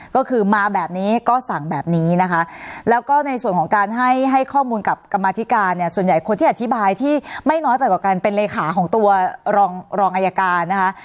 ก็คือมาแบบนี้ก็สั่งแบบนี้นะคะแล้วก็ในส่วนของการให้ให้ข้อมูลกับกรรมธิการเนี่ยส่วนใหญ่คนที่อธิบายที่ไม่น้อยไปกว่าการเป็นเลขาของตัวรองรองอายการนะคะ